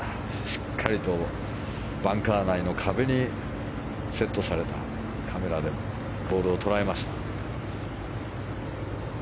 しっかりと、バンカー内の壁にセットされたカメラでボールを捉えました。